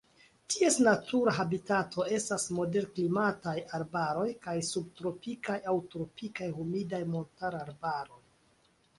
Ties natura habitato estas moderklimataj arbaroj kaj subtropikaj aŭ tropikaj humidaj montararbaroj.